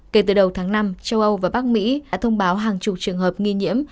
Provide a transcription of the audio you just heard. kể từ đầu tháng năm châu âu và bắc mỹ đã thông báo hàng chục trường hợp nghi nhiễm